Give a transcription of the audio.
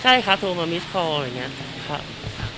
ใช่ครับโทรมามิสคอลล์อย่างนี้